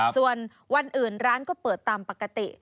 ส่วนวันอื่นร้านก็เปิดตามปกติ